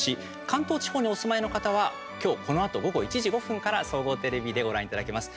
関東地方にお住まいの方は今日このあと午後１時５分から総合テレビでご覧いただけます。